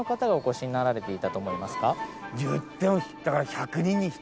いっても。